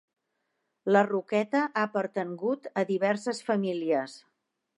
La Roqueta ha pertangut a diverses famílies.